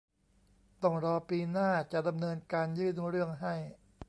ต้องรอปีหน้าจะดำเนินการยื่นเรื่องให้